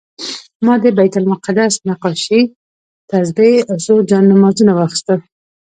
ما د بیت المقدس نقاشي، تسبیح او څو جانمازونه واخیستل.